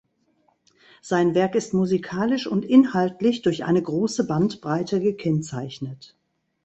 Sein Werk ist musikalisch und inhaltlich durch eine große Bandbreite gekennzeichnet.